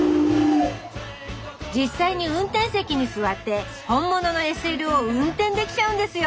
実際に運転席に座って本物のＳＬを運転できちゃうんですよ！